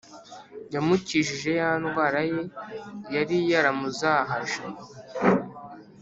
Yamukijije ya ndwara ye yariyaramuzahaje